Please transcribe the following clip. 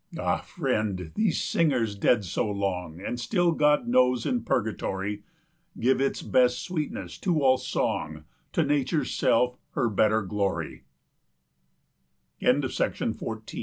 "Ah, friend, these singers dead so long, 65 And still, God knows, in purgatory, Give its best sweetness to all song, To Nature's self her better glo